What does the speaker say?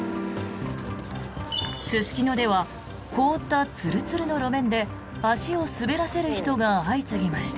すすきのでは凍ったツルツルの路面で足を滑らせる人が相次ぎました。